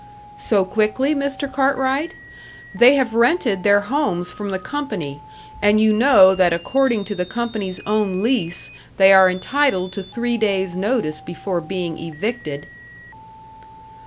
"So quickly, Mr. Cartwright? They have rented their homes from the company, and you know that according to the company's own lease they are entitled to three days' notice before being evicted!"